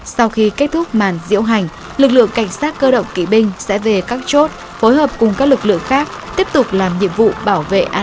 sau khi kết thúc màn diễu hành lực lượng cảnh sát cơ động kỵ binh sẽ về các chốt phối hợp cùng các lực lượng khác tiếp tục làm nhiệm vụ bảo vệ an ninh trật tự tại nhà hội